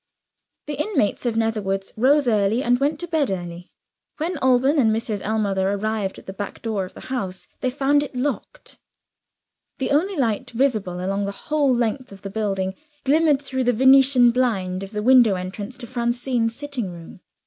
The inmates of Netherwoods rose early, and went to bed early. When Alban and Mrs. Ellmother arrived at the back door of the house, they found it locked. The only light visible, along the whole length of the building, glimmered through the Venetian blind of the window entrance to Francine's sitting room.